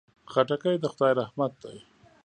خټکی د خدای رحمت دی.